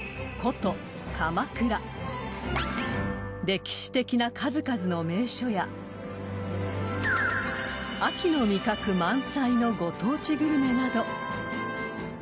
［歴史的な数々の名所や秋の味覚満載のご当地グルメなど］